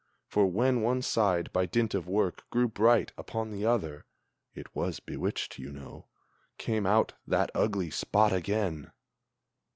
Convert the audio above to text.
For when one side, by dint of work, grew bright, upon the other (It was bewitched, you know,) came out that ugly spot again!